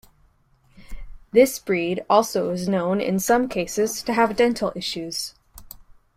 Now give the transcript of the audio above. This breed also is known in some cases to have dental issues.